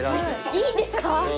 いいんですか？